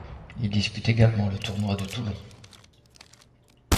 Il dispute également le Tournoi de Toulon.